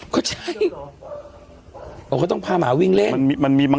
ก็ใช่อ๋อก็ต้องพาหมาวิ่งเร่งมันมี